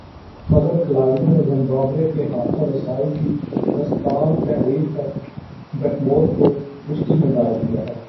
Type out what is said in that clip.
مگر کھلاڑیوں نے زمبابوے کے ہاتھوں رسائی کی داستان تحریر کر کے واٹمور کو مشکل میں ڈال دیا ہے